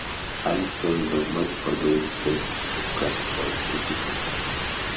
Early stories of magical rings date to classical antiquity.